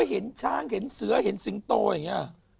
เห็นช้างเห็นเสือเห็นสิงโตอย่างนี้